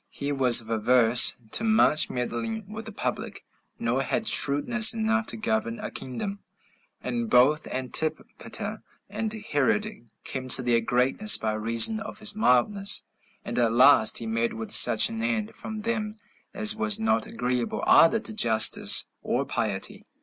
He was averse to much meddling with the public, nor had shrewdness enough to govern a kingdom. And both Antipater and Herod came to their greatness by reason of his mildness; and at last he met with such an end from them as was not agreeable either to justice or piety.